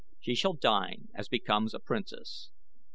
She shall dine as becomes a princess."